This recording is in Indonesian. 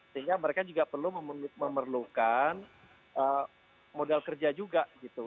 sehingga mereka juga perlu memerlukan modal kerja juga gitu